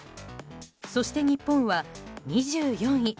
そして日本は、２４位。